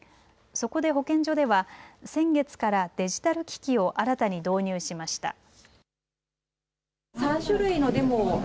そこで保健所では先月からデジタル機器を新たに導入しました。